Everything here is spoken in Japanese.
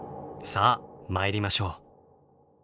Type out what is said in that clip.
さあ参りましょう。